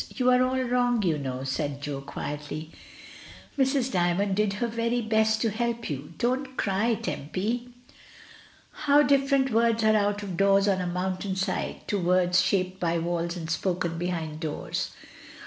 "You are all wrong, you know," said Jo quietly. "Mrs. Dymond did her very best to help you. Don't cry, Tempy." How different words are out of doors on a moun tain side to words shaped by walls and spoken be hind doors!